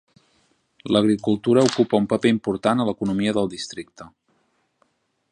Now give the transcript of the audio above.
L"agricultura ocupa un paper important a l"economia del districte.